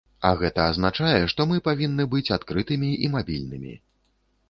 А гэта азначае, што мы павінны быць адкрытымі і мабільнымі.